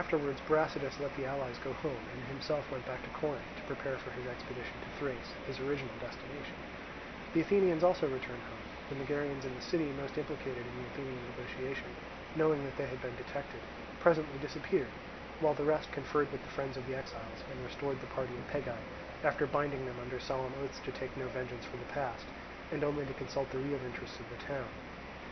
Afterwards Brasidas let the allies go home, and himself went back to Corinth, to prepare for his expedition to Thrace, his original destination. The Athenians also returning home, the Megarians in the city most implicated in the Athenian negotiation, knowing that they had been detected, presently disappeared; while the rest conferred with the friends of the exiles, and restored the party at Pegae, after binding them under solemn oaths to take no vengeance for the past, and only to consult the real interests of the town.